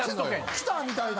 ・きたみたいな・・